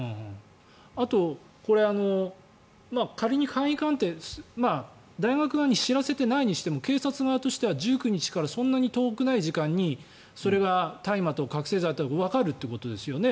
あと、これ、仮に簡易鑑定大学側に知らせていないにしても警察側としては１９日からそんなに遠くない時間にそれが大麻と覚醒剤だってわかるってことですよね